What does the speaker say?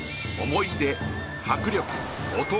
思い出迫力音